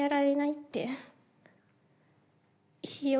って。